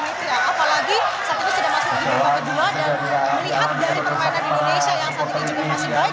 ini tidak apalagi saat itu sudah masuk ke dua dan melihat dari pemain pemain indonesia yang saat ini juga masih baik